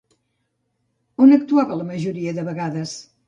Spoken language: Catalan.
On actuava la majoria de vegades?